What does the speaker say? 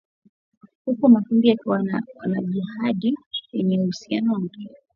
huku makundi ya wanajihadi yenye uhusiano na al Qaeda na dola ya Kiislamu yakijaribu kupata